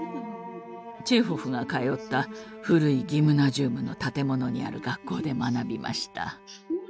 チェーホフが通った古いギムナジウムの建物にある学校で学びました。